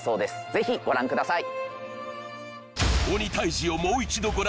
ぜひご覧ください